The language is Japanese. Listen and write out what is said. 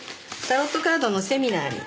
タロットカードのセミナーに。